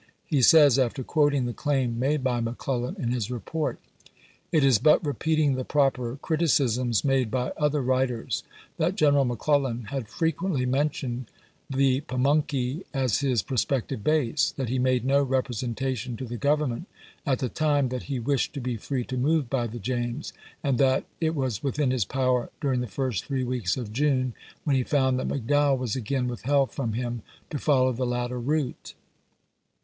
He says, after quoting the claim made by McClellan in his report : It is but repeating the proper criticisms made by other writers that General McClellan had frequently mentioned the Pamunkey as his prospective base, that he made no representation to the Government, at the time, that he wished to be free to move by the James, and that ... it was within his power during the first three weeks of June, when he found that McDowell was again withheld from him, to follow the latter route.